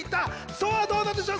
さぁどうなんでしょう